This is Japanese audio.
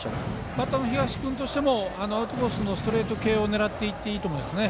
バッターの東君としてもアウトコースのストレート系を狙っていっていいと思いますね。